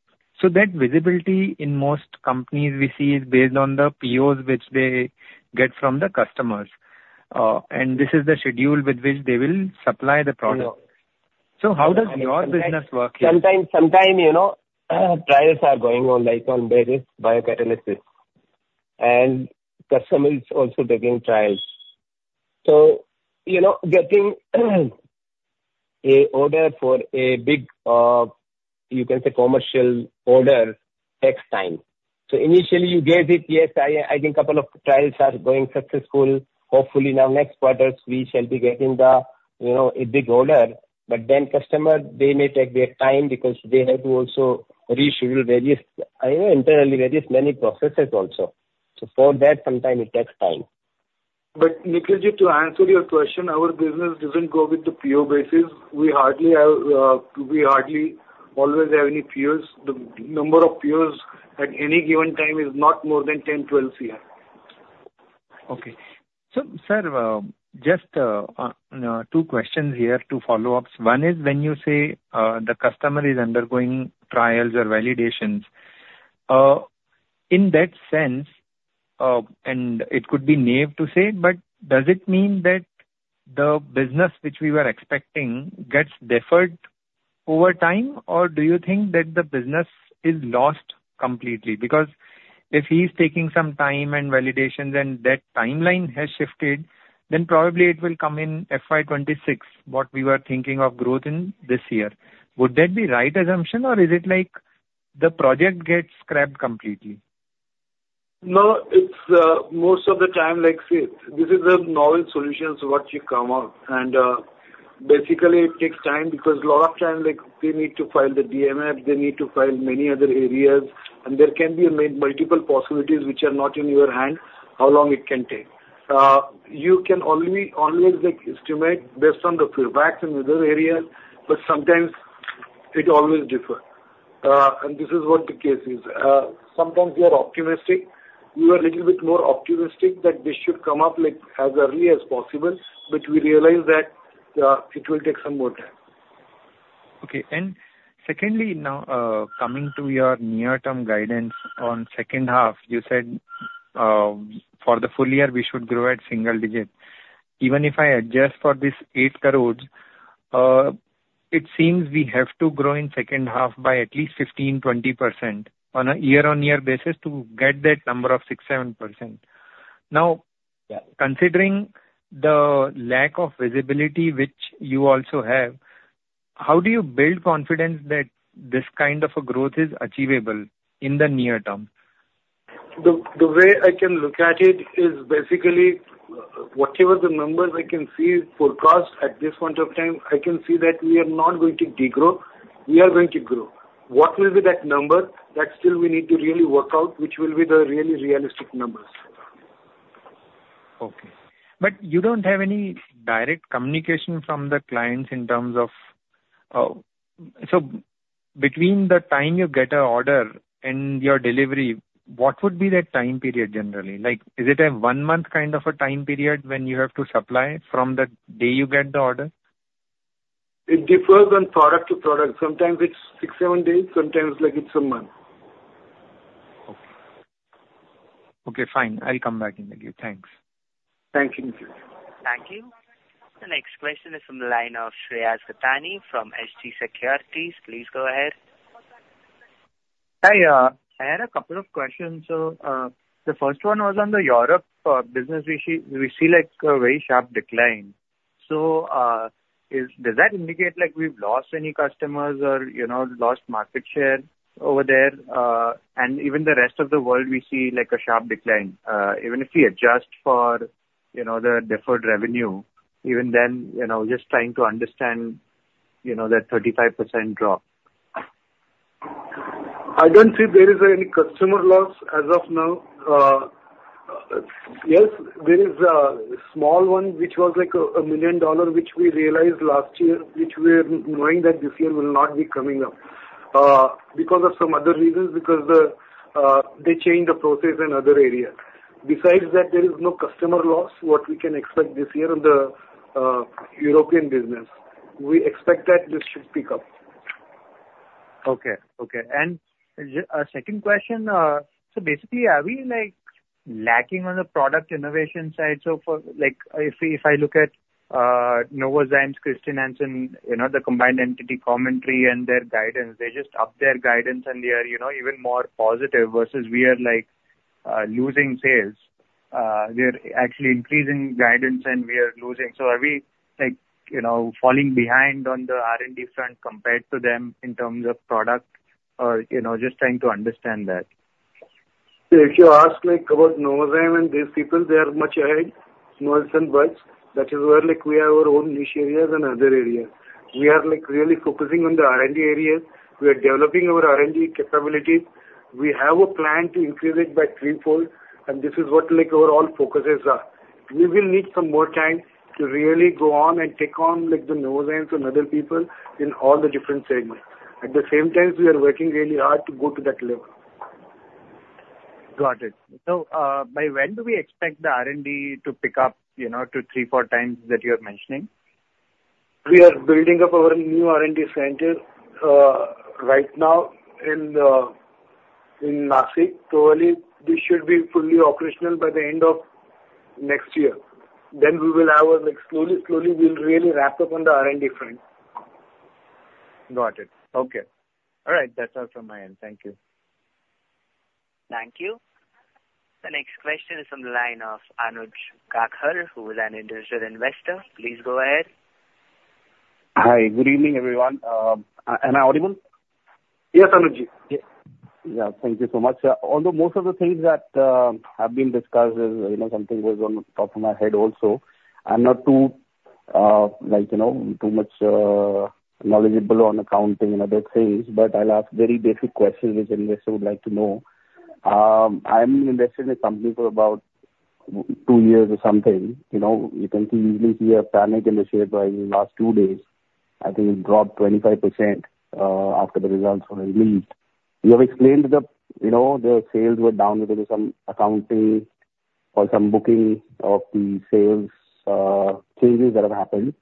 so that visibility in most companies we see is based on the POs which they get from the customers, and this is the schedule with which they will supply the product. So how does your business work here? Sometimes trials are going on various biocatalysts, and customers also taking trials. So getting an order for a big, you can say, commercial order takes time. So initially, you get it. Yes, I think a couple of trials are going successful. Hopefully, now next quarter, we shall be getting a big order, but then customers, they may take their time because they have to also reschedule internally various many processes also. So for that, sometimes it takes time. But Nikhil, just to answer your question, our business doesn't go with the PO basis. We hardly always have any POs. The number of POs at any given time is not more than 10-12 here. Okay. So, sir, just two questions here, two follow-ups. One is when you say the customer is undergoing trials or validations, in that sense, and it could be naive to say, but does it mean that the business which we were expecting gets deferred over time, or do you think that the business is lost completely? Because if he's taking some time and validations and that timeline has shifted, then probably it will come in FY 2026, what we were thinking of growth in this year. Would that be right assumption, or is it like the project gets scrapped completely? No. Most of the time, this is a novel solution to what you come up with, and basically, it takes time because a lot of time, they need to file the DMF, they need to file many other areas, and there can be multiple possibilities which are not in your hand how long it can take. You can only always estimate based on the feedback in other areas, but sometimes it always differs, and this is what the case is. Sometimes we are optimistic. We were a little bit more optimistic that this should come up as early as possible, but we realized that it will take some more time. Okay. And secondly, now coming to your near-term guidance on second half, you said for the full year, we should grow at single digit. Even if I adjust for this eight crores, it seems we have to grow in second half by at least 15%-20% on a year-on-year basis to get that number of 6%-7%. Now, considering the lack of visibility which you also have, how do you build confidence that this kind of a growth is achievable in the near term? The way I can look at it is basically whatever the numbers I can see forecast at this point of time, I can see that we are not going to degrow. We are going to grow. What will be that number that still we need to really work out, which will be the really realistic numbers? Okay. But you don't have any direct communication from the clients in terms of so between the time you get an order and your delivery, what would be that time period generally? Is it a one-month kind of a time period when you have to supply from the day you get the order? It differs from product to product. Sometimes it's six, seven days. Sometimes it's a month. Okay. Okay. Fine. I'll come back in a bit. Thanks. Thank you, Nikhil. Thank you. The next question is from the line of Shreyansh Gattani from SG Securities. Please go ahead. Hi. I had a couple of questions. So the first one was on the Europe business. We see a very sharp decline. So does that indicate we've lost any customers or lost market share over there? And even the rest of the world, we see a sharp decline. Even if we adjust for the deferred revenue, even then, just trying to understand that 35% drop. I don't think there is any customer loss as of now. Yes, there is a small one which was $1 million which we realized last year, which we are knowing that this year will not be coming up because of some other reasons because they changed the process in other areas. Besides that, there is no customer loss what we can expect this year in the European business. We expect that this should pick up. Okay. Okay. And a second question. So basically, are we lacking on the product innovation side? So if I look at Novozymes' Chr. Hansen, the combined entity commentary and their guidance, they just upped their guidance, and they are even more positive versus we are losing sales. They're actually increasing guidance, and we are losing. So are we falling behind on the R&D front compared to them in terms of product or just trying to understand that? If you ask about Novozymes and these people, they are much ahead in some areas. That is where we have our own niche areas and other areas. We are really focusing on the R&D areas. We are developing our R&D capabilities. We have a plan to increase it by threefold, and this is what our all focuses are. We will need some more time to really go on and take on the Novozymes and other people in all the different segments. At the same time, we are working really hard to go to that level. Got it. So by when do we expect the R&D to pick up to three, four times that you are mentioning? We are building up our new R&D center right now in Vashi. Probably we should be fully operational by the end of next year. Then we will have a slowly, slowly we'll really ramp up on the R&D front. Got it. Okay. All right. That's all from my end. Thank you. Thank you. The next question is from the line of Anuj Gaggar, who is an Individual Investor. Please go ahead. Hi. Good evening, everyone. Am I audible? Yes, Anuj ji. Yes. Yeah. Thank you so much. Although most of the things that have been discussed is something that was on top of my head also. I'm not too much knowledgeable on accounting and other things, but I'll ask very basic questions which investors would like to know. I'm invested in a company for about two years or something. You can clearly see a panic in the share price in the last two days. I think it dropped 25% after the results were released. You have explained the sales were down because of some accounting or some booking of the sales changes that have happened,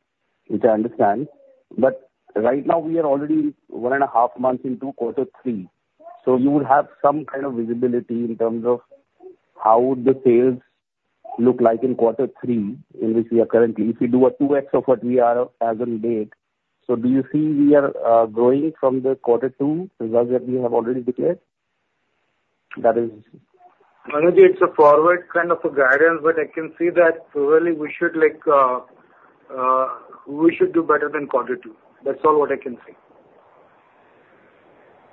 which I understand. But right now, we are already one and a half months into quarter three. So you would have some kind of visibility in terms of how the sales look like in quarter three in which we are currently. If you do a 2x of what we are as of late, so do you see we are growing from the quarter two results that we have already declared? That is. Anuj, it's a forward kind of a guidance, but I can see that probably we should do better than quarter two. That's all what I can see.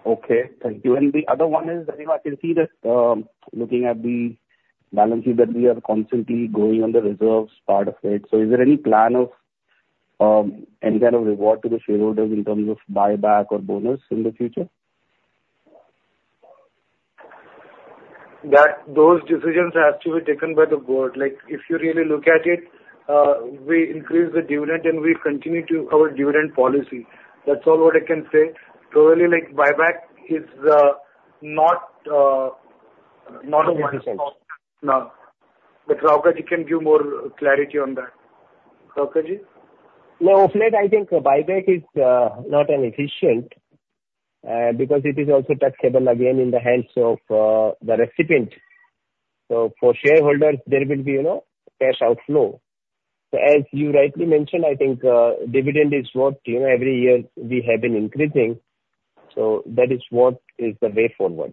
Okay. Thank you. And the other one is I can see that looking at the balance sheet that we are constantly going on the reserves part of it. So is there any plan of any kind of reward to the shareholders in terms of buyback or bonus in the future? Those decisions have to be taken by the board. If you really look at it, we increase the dividend, and we continue our dividend policy. That's all what I can say. Probably buyback is not a one size. Now, but Rauka, you can give more clarity on that. Rauka ji? Yeah. Hopefully, I think buyback is not an efficient because it is also taxable again in the hands of the recipient. So for shareholders, there will be cash outflow. So as you rightly mentioned, I think dividend is what every year we have been increasing. So that is what is the way forward.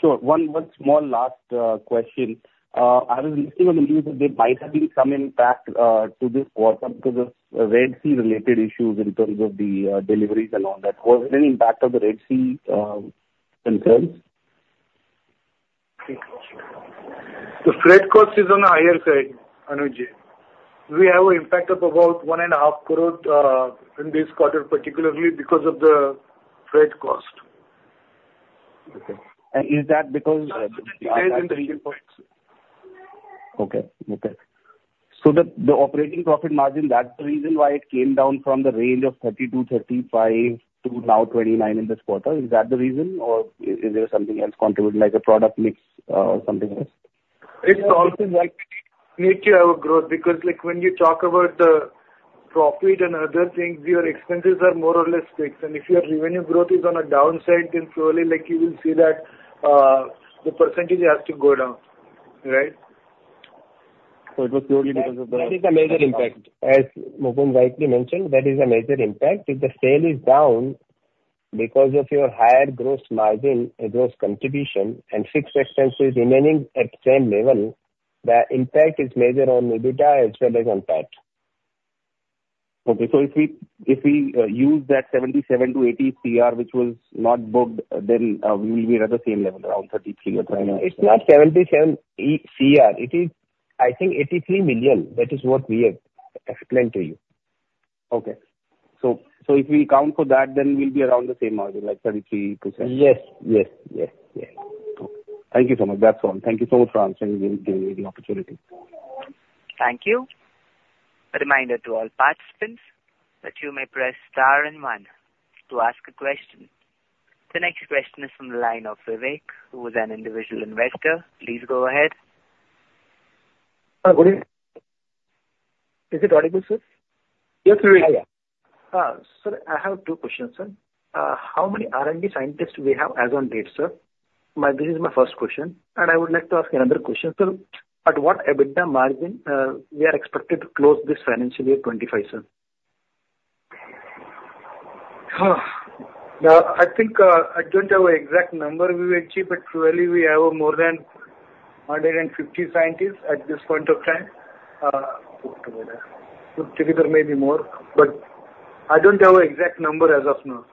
Sure. One small last question. I was listening on the news that there might have been some impact to this quarter because of Red Sea-related issues in terms of the deliveries and all that. Was there any impact of the Red Sea concerns? The freight cost is on the higher side, Anuj. We have an impact of about 1.5 crores in this quarter, particularly because of the freight cost. Okay. And is that because of the operating profit? It stays in the region for itself. So the operating profit margin, that's the reason why it came down from the range of 32%-35% to now 29% in this quarter. Is that the reason, or is there something else contributed, like a product mix or something else? It's also likely to grow because when you talk about the profit and other things, your expenses are more or less fixed. And if your revenue growth is on a downside, then probably you will see that the percentage has to go down, right? So it was purely because of the. That is a major impact. As Mukund rightly mentioned, that is a major impact. If the sales is down because of your higher gross margin, gross contribution, and fixed expenses remaining at the same level, the impact is major on EBITDA as well as on PAT. Okay. So if we use that 77-80 CR, which was not booked, then we will be at the same level, around 33 or 39. It's not 77 CR. It is, I think, 83 million. That is what we have explained to you. Okay, so if we account for that, then we'll be around the same margin, like 33%? Yes. Yes. Yes. Yes. Okay. Thank you so much. That's all. Thank you so much for answering and giving me the opportunity. Thank you. A reminder to all participants that you may press star and one to ask a question. The next question is from the line of Vivek, who is an individual investor. Please go ahead. Hi. Good evening. Is it audible, sir? Yes, Vivek. Sir, I have two questions, sir. How many R&D scientists do we have as of date, sir? This is my first question, and I would like to ask another question. Sir, at what EBITDA margin we are expected to close this financial year 25, sir? I don't have an exact number, Vivek ji, but probably we have more than 150 scientists at this point of time. Together, maybe more, but I don't have an exact number as of now.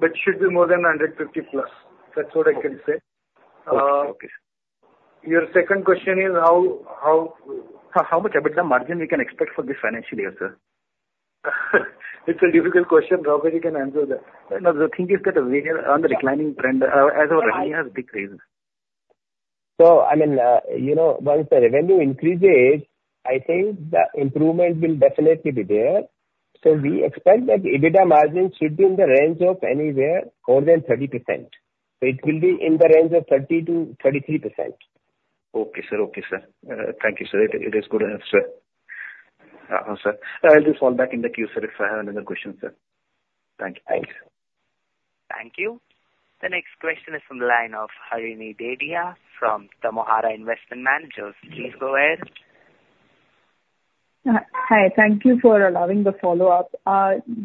But it should be more than 150 plus. That's what I can say. Okay. Okay. Your second question is how. How much EBITDA margin we can expect for this financial year, sir? It's a difficult question. Rauka ji, you can answer that. The thing is that we are on the declining trend as of right now. I mean, once the revenue increases, I think the improvement will definitely be there. So we expect that EBITDA margin should be in the range of anywhere more than 30%. So it will be in the range of 30%-33%. Okay, sir. Okay, sir. Thank you, sir. It is good to have sir. I'll just fall back in the queue, sir, if I have another question, sir. Thank you. Thank you. Thank you. The next question is from the line of Harini Dedhia from Tamohara Investment Managers. Please go ahead. Hi. Thank you for allowing the follow-up.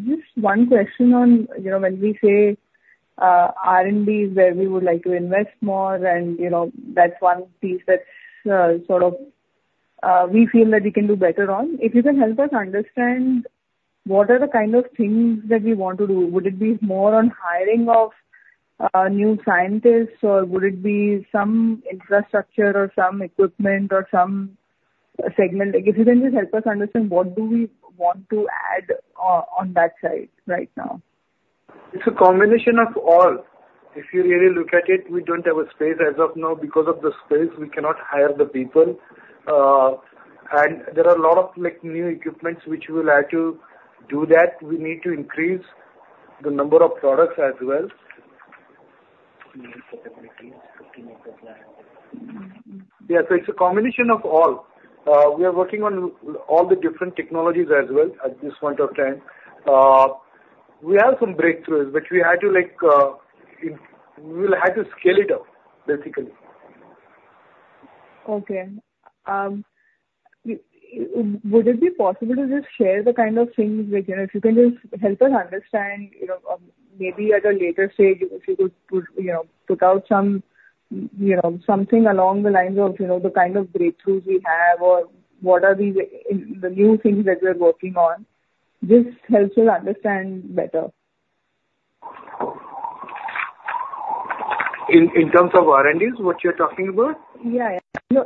Just one question on when we say R&D is where we would like to invest more, and that's one piece that sort of we feel that we can do better on. If you can help us understand what are the kind of things that we want to do, would it be more on hiring of new scientists, or would it be some infrastructure or some equipment or some segment? If you can just help us understand what do we want to add on that side right now? It's a combination of all. If you really look at it, we don't have a space as of now. Because of the space, we cannot hire the people, and there are a lot of new equipment which we will have to do that. We need to increase the number of products as well. Yeah, so it's a combination of all. We are working on all the different technologies as well at this point of time. We have some breakthroughs, but we will have to scale it up, basically. Okay. Would it be possible to just share the kind of things that if you can just help us understand, maybe at a later stage, if you could put out something along the lines of the kind of breakthroughs we have or what are the new things that we're working on, just helps us understand better. In terms of R&D, what you're talking about? Yeah.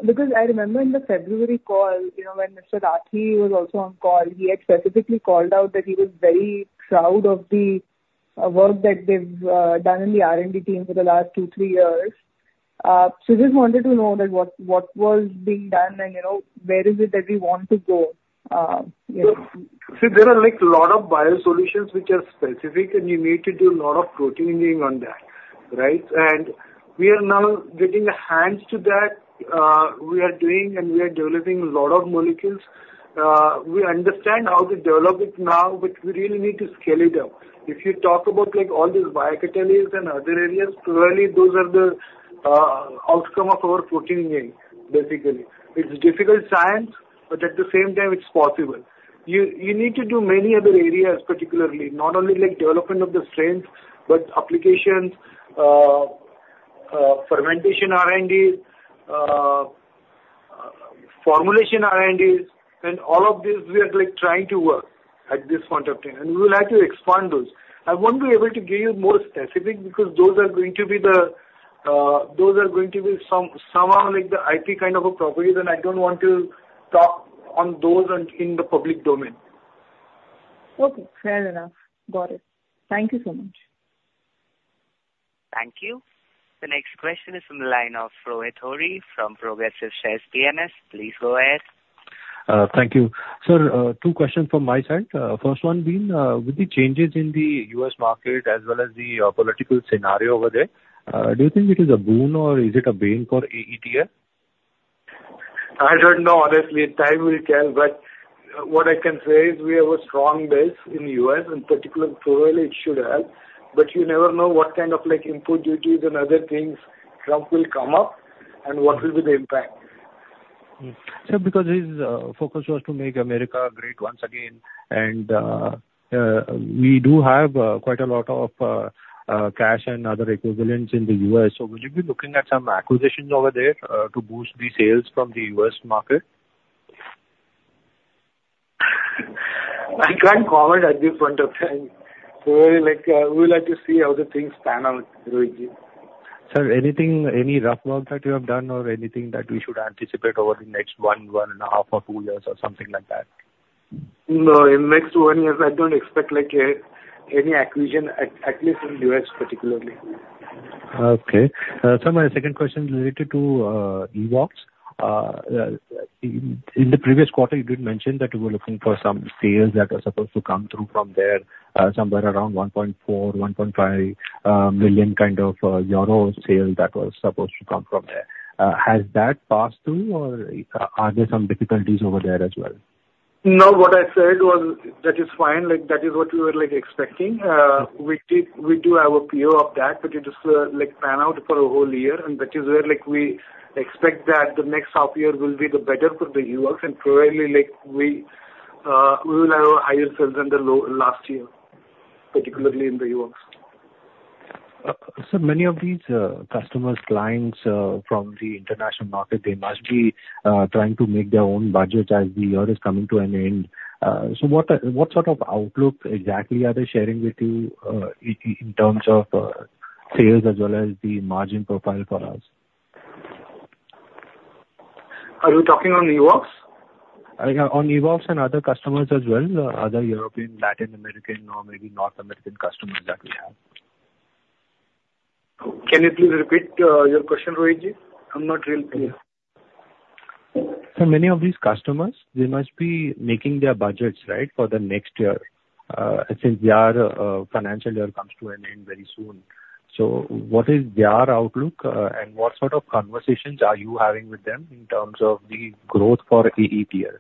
Because I remember in the February call, when Mr. Rathi was also on call, he had specifically called out that he was very proud of the work that they've done in the R&D team for the last two, three years. So just wanted to know what was being done and where is it that we want to go. See, there are a lot of biosolutions which are specific, and you need to do a lot of protein engineering on that, right? And we are now getting our hands on that. We are doing and we are developing a lot of molecules. We understand how to develop it now, but we really need to scale it up. If you talk about all these biocatalysts and other areas, probably those are the outcome of our protein engineering, basically. It's difficult science, but at the same time, it's possible. You need to do many other areas, particularly not only development of the strain, but applications, fermentation R&D, formulation R&Ds, and all of these we are trying to work at this point of time, and we would like to expand those. I won't be able to give you more specific because those are going to be some of the IP kind of properties, and I don't want to talk on those in the public domain. Okay. Fair enough. Got it. Thank you so much. Thank you. The next question is from the line of Rohit Ohri from Progressive Shares. Please go ahead. Thank you. Sir, two questions from my side. First one being, with the changes in the U.S. market as well as the political scenario over there, do you think it is a boon or is it a bane for AETL? I don't know, honestly. Time will tell, but what I can say is we have a strong base in the U.S., and particularly, it should help. But you never know what kind of import duties and other things Trump will come up and what will be the impact. Sir, because his focus was to make America great once again, and we do have quite a lot of cash and other equivalents in the U.S. So would you be looking at some acquisitions over there to boost the sales from the U.S. market? I can't comment at this point of time. We would like to see how the things pan out, Anuj. Sir, any rough work that you have done or anything that we should anticipate over the next one, one and a half, or two years, or something like that? No. In the next one year, I don't expect any acquisition, at least in the U.S., particularly. Okay. Sir, my second question is related to Evoxx. In the previous quarter, you did mention that you were looking for some sales that were supposed to come through from there, somewhere around 1.4 million-1.5 million kind of euro sales that were supposed to come from there. Has that passed through, or are there some difficulties over there as well? No. What I said was that it's fine. That is what we were expecting. We do have a PO of that, but it just pan out for a whole year, and that is where we expect that the next half year will be better for the U.S., and probably we will have higher sales than the last year, particularly in the U.S. Sir, many of these customers, clients from the international market, they must be trying to make their own budget as the year is coming to an end. So what sort of outlook exactly are they sharing with you in terms of sales as well as the margin profile for us? Are you talking on Evoxx? On Evoxx and other customers as well, other European, Latin American, or maybe North American customers that we have. Can you please repeat your question, Rohit ji? I'm not really clear. Sir, many of these customers, they must be making their budgets, right, for the next year since their financial year comes to an end very soon. So what is their outlook, and what sort of conversations are you having with them in terms of the growth for AETL?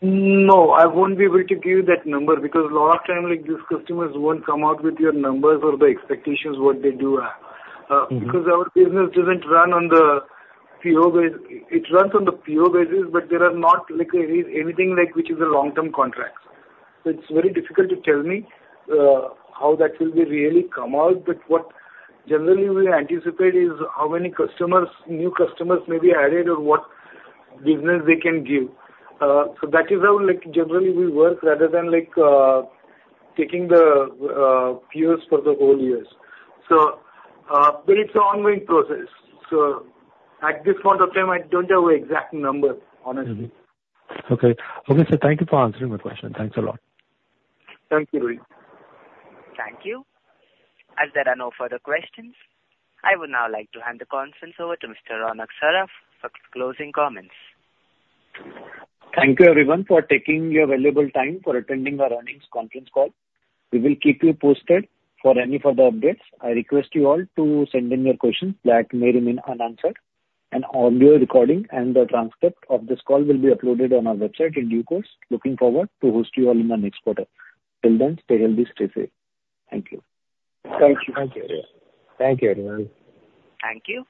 No. I won't be able to give you that number because a lot of times these customers won't come out with their numbers or the expectations of what they do have. Because our business doesn't run on the PO basis. It runs on the PO basis, but there are not anything which is a long-term contract. So it's very difficult to tell me how that will really come out. But what generally we anticipate is how many customers, new customers may be added or what business they can give. So that is how generally we work rather than taking the POs for the whole years. But it's an ongoing process. So at this point of time, I don't have an exact number, honestly. Okay. Okay, sir. Thank you for answering my question. Thanks a lot. Thank you, Rohit ji. Thank you. As there are no further questions, I would now like to hand the conference over to Mr. Ronak Saraf for closing comments. Thank you, everyone, for taking your valuable time for attending our earnings conference call. We will keep you posted for any further updates. I request you all to send in your questions that may remain unanswered. An audio recording and the transcript of this call will be uploaded on our website in due course. Looking forward to hosting you all in the next quarter. Till then, stay healthy, stay safe. Thank you. Thank you. Thank you. Thank you, everyone. Thank you.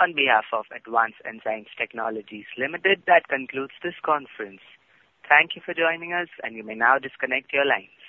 On behalf of Advanced Enzyme Technologies Limited, that concludes this conference. Thank you for joining us, and you may now disconnect your lines.